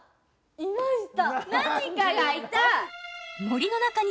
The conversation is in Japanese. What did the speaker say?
いました！